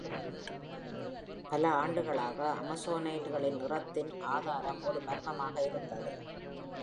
பல ஆண்டுகளாக, அமசோனைடுகளின் நிறத்தின் ஆதாரம் ஒரு மர்மமாக இருந்தது.